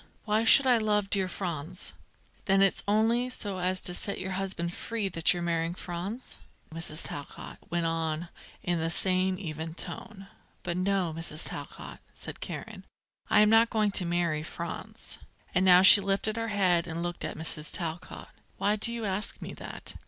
Why should I love dear Franz?" "Then it's only so as to set your husband free that you're marrying Franz?" Mrs. Talcott went on in the same even voice. "But no, Mrs. Talcott," said Karen, "I am not going to marry Franz." And now she lifted her head and looked at Mrs. Talcott. "Why do you ask me that?